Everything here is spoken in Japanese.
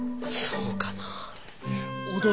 そうかなあ。